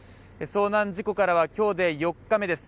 遭難事故からは今日で４日目です。